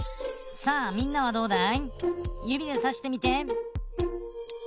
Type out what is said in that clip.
さあみんなはどうだい？